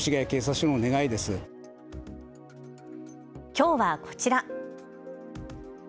きょうはこちら。